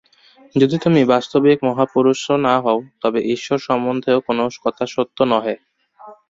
যদি তুমি বাস্তবিক মহাপুরুষ না হও, তবে ঈশ্বর সম্বন্ধেও কোন কথা সত্য নহে।